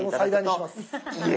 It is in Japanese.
俺も最大にします。